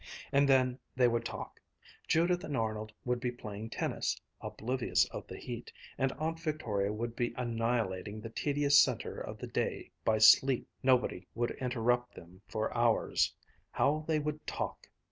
And then they would talk! Judith and Arnold would be playing tennis, oblivious of the heat, and Aunt Victoria would be annihilating the tedious center of the day by sleep. Nobody would interrupt them for hours. How they would talk!